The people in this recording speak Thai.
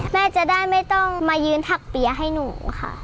แม่จะได้ไม่ต้องมายืนผักเปี๊ยให้หนูค่ะ